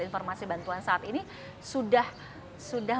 informasi bantuan saat ini sudah